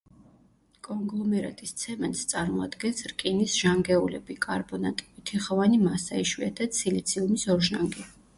კონგლომერატის ცემენტს წარმოადგენს რკინის ჟანგეულები, კარბონატები, თიხოვანი მასა, იშვიათად სილიციუმის ორჟანგი.